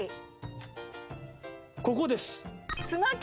ここです。